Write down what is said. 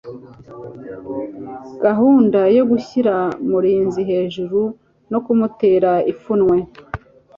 gahunda yo gushyira mulinzi hejuru no kumutera ipfunwe